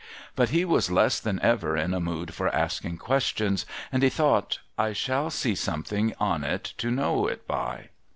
But he was less than ever in a mood for asking questions, and he thought, ' I shall see something on it to know it by.'